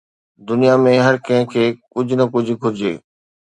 دنيا ۾ هر ڪنهن کي ڪجهه نه ڪجهه گهرجي.